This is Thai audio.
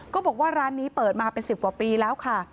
บอกว่าร้านนี้เปิดมาเป็น๑๐กว่าปีแล้วค่ะ